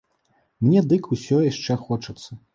Мне дык усё яшчэ хочацца.